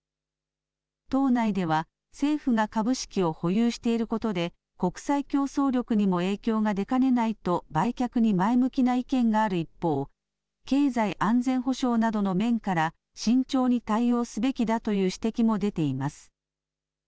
党内では、政府が株式を保有していることで、国際競争力にも影響が出かねないと、売却に前向きな意見がある一方、経済安全保障などの面から、慎重に対応すべきだという指摘も出ています。